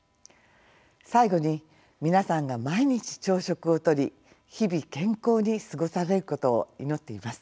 最後に皆さんが毎日朝食をとり日々健康に過ごされることを祈っています。